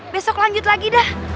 besok lanjut lagi dah